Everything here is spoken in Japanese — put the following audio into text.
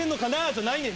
じゃないねん。